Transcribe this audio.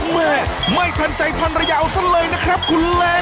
ไม่ทันใจพันระยะเอาซะเลยนะครับคุณล้าก